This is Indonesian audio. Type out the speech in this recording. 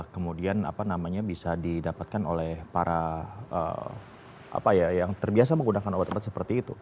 kemudian apa namanya bisa didapatkan oleh para apa ya yang terbiasa menggunakan obat obat seperti itu